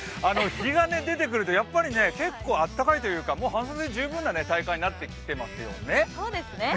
日が出てくると結構暖かいというか、もう半袖で十分な体感になってきてますよね。